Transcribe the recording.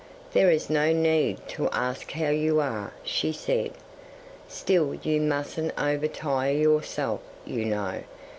there is no need to ask how you are," she said. "Still you mustn't overtire yourself, you know.